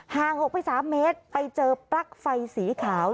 ห่างออกไป๓เมตรไปเจอปลั๊กไฟสีขาว